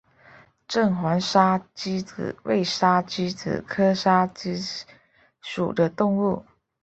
正环沙鸡子为沙鸡子科沙子鸡属的动物。